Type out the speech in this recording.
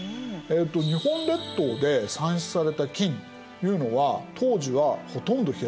日本列島で産出された金というのは当時はほとんど平泉周辺。